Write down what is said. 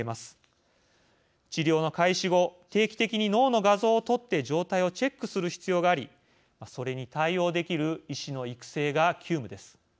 治療の開始後定期的に脳の画像を撮って状態をチェックする必要がありそれに対応できる医師の育成が急務です。